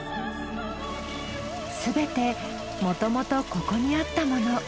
すべてもともとここにあったもの。